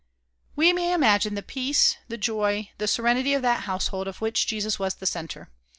We may imagine the peace, the joy, the serenity of that household of which Jesus was the centre.